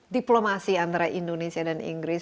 diplomasi antara indonesia dan inggris